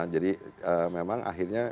jadi memang akhirnya